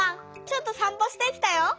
ちょっとさんぽしてきたよ。